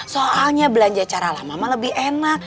soalnya belanja cara lama mah lebih enak